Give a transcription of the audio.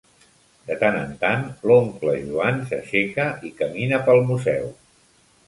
De tant en tant l'oncle Joan s'aixeca i camina pel museu.